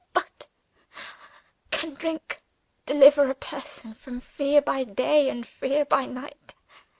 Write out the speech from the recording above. But can drink deliver a person from fear by day, and fear by night?